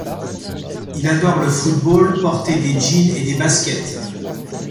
Il adore le football, porter des jeans et des baskets.